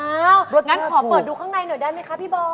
งั้นขอเปิดดูข้างในหน่อยได้ไหมคะพี่บอล